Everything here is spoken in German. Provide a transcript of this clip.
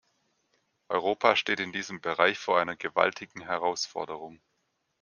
Europa steht in diesem Bereich vor einer gewaltigen Herausforderung.